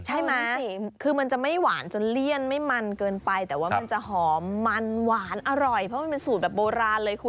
ใช่ไหมคือมันจะไม่หวานจนเลี่ยนไม่มันเกินไปแต่ว่ามันจะหอมมันหวานอร่อยเพราะมันเป็นสูตรแบบโบราณเลยคุณ